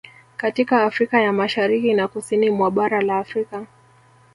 Katika Afrika ya Mashariki na Kusini mwa bara la Afrika